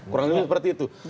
kurang lebih seperti itu